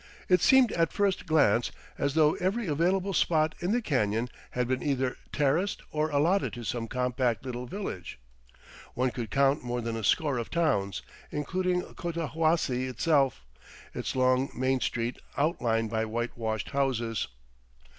It seemed at first glance as though every available spot in the canyon had been either terraced or allotted to some compact little village. One could count more than a score of towns, including Cotahuasi itself, its long main street outlined by whitewashed houses.